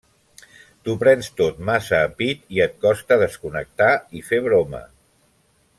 T’ho prens tot massa a pit i et costa desconnectar i fer broma.